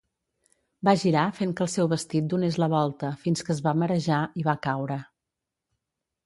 Va girar fent que el seu vestit donés la volta fins que es va marejar i va caure.